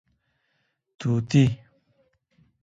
🦜 طوطي